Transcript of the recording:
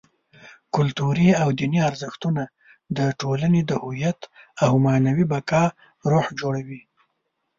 کلتوري او دیني ارزښتونه: د ټولنې د هویت او معنوي بقا روح جوړوي.